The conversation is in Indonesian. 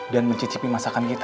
dan mencicipi masakan kita